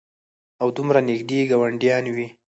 او دومره نېږدې ګاونډيان وي